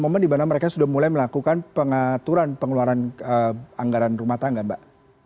momen di mana mereka sudah mulai melakukan pengaturan pengeluaran anggaran rumah tangga mbak